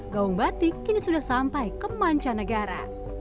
gaung batik kini sudah sampai ke manca negara